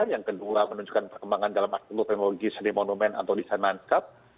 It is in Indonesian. yang kedua menunjukkan perkembangan dalam arteologi seni monumental atau desain landscape